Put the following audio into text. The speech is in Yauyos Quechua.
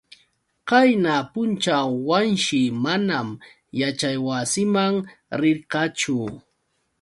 Qayna punćhaw Wanshi manam yaćhaywasiman rirqachu.